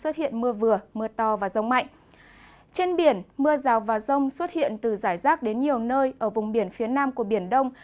trên biển mưa rào và rông xuất hiện từ giải rác đến nhiều nơi ở vùng biển phía nam của biển đông